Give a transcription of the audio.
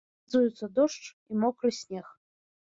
Прагназуюцца дождж і мокры снег.